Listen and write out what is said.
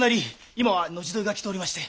今は後添いが来ておりまして。